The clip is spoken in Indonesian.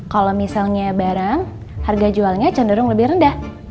kalau misalnya barang harga jualnya cenderung lebih rendah